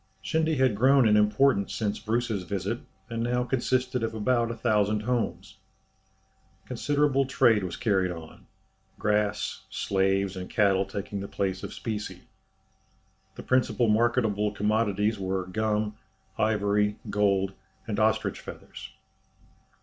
Shendy had grown in importance since Bruce's visit, and now consisted of about a thousand houses. Considerable trade was carried on grass, slaves, and cattle taking the place of specie. The principal marketable commodities were gum, ivory, gold, and ostrich feathers.